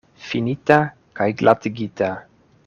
Finita kaj glatigita.